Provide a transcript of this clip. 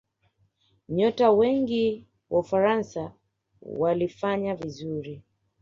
nyota wengi wa ufaransa walifanya vizuri